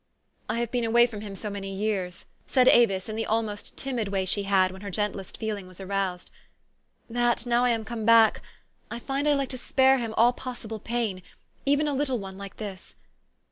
"I have been away from him so many years," said Avis in the almost timid way she had when her gentlest feeling was aroused, '' that, now I am come back, I find I like to spare him all possible pain, even a little one like this.